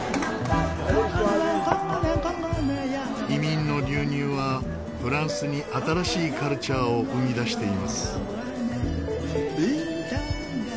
移民の流入はフランスに新しいカルチャーを生み出しています。